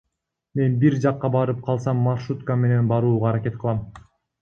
Мен бир жакка барып калсам, маршрутка менен барууга аракет кылам.